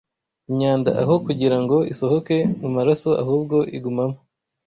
imyanda aho kugira ngo isohoke mu maraso ahubwo igumamo